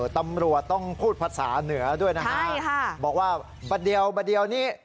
ตำรวจต้องพูดภาษาเหนือด้วยนะฮะบอกว่าปัดเดียวบัดเดียวนี้